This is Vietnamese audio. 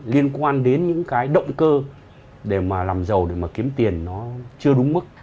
liên quan đến những cái động cơ để mà làm giàu để mà kiếm tiền nó chưa đúng mức